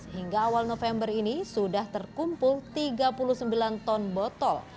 hingga awal november ini sudah terkumpul tiga puluh sembilan ton botol